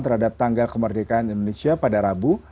terhadap tanggal kemerdekaan indonesia pada rabu